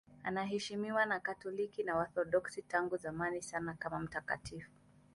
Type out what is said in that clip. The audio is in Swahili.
Anaheshimiwa na Wakatoliki na Waorthodoksi tangu zamani sana kama mtakatifu.